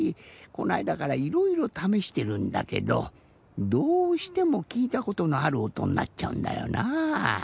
このあいだからいろいろためしてるんだけどどうしてもきいたことのあるおとになっちゃうんだよなぁ。